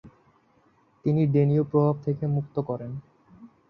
তিনি ডেনীয় প্রভাব থেকে মুক্ত করেন।